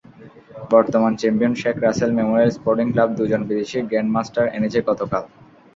বর্তমান champion Sheikh Russel Memorial Sporting Club দুজন বিদেশি গ্র্যান্ডমাস্টার এনেছে গতকাল।